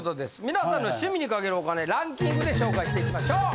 皆さんの趣味にかけるお金ランキングで紹介していきましょう！